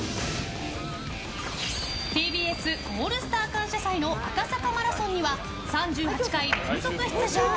ＴＢＳ「オールスター感謝祭」の赤坂マラソンには３８回連続出場。